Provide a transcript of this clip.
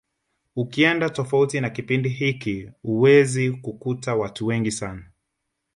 Ukienda tofauti na kipindi hiki huwezi kukuta watu wengi sana